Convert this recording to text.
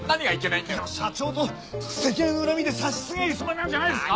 いや社長と積年の恨みで刺し違えるつもりなんじゃないですか？